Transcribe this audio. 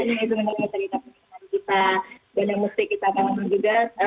ini sebenarnya cerita pernikahan kita dan yang musti kita tanggung juga